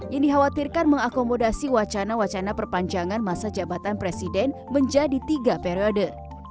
yang dikhawatirkan mengakomodasi wacana wacana perpanjangan masa jabatan presiden menjadi tiga periode